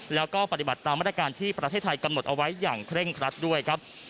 แล้วก็ปฏิบัติตามมาตรการที่ประเทศไทยกำหนดเอาไว้อย่างเคร่งครัดด้วยครับ